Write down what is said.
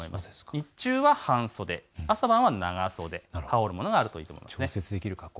日中は半袖、朝と晩は長袖、羽織るものがあるといいと思います。